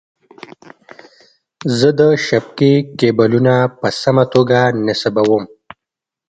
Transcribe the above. زه د شبکې کیبلونه په سمه توګه نصبووم.